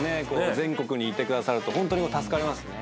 全国にいてくださるとホントに助かりますね。